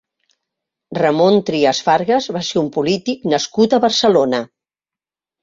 Ramon Trias Fargas va ser un polític nascut a Barcelona.